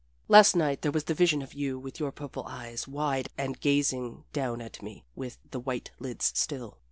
Last night there was the vision of you with your purple eyes wide and gazing down at me with the white lids still.